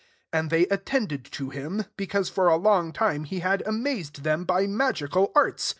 11 And they ai ed to him, because for a time he had amazed thea magical arts.